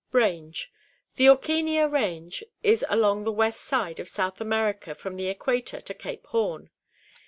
Range. — The Auchenia range is along the west side of South America from the equator to Cape Horn.